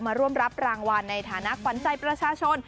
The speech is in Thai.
มาร่วมรับรางวัลในฐานะขวัญใจประชาชน